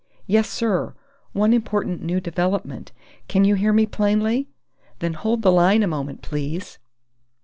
Yes, sir, one important new development. Can you hear me plainly?... Then hold the line a moment, please!"